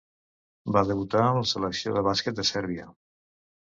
Va debutar amb la selecció de bàsquet de Sèrbia.